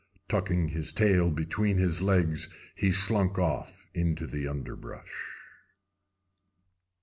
Tucking his tail between his legs, he slunk off into the underbrush.